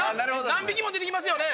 何匹も出てきますよね？